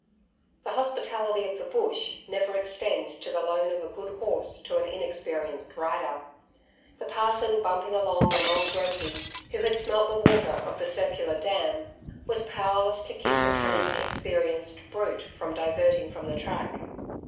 The hospitality of the bush never extends to the loan of a good horse to an inexperienced rider. The parson bumping along on old Rosey, who had smelt the water of the "Circler Dam", was powerless to keep the cunning experienced brute from diverting from the track.